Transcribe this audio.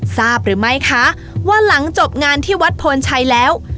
ทราบหรือไม่คะว่าหลังจบงานที่วัดโพนชัยแล้ว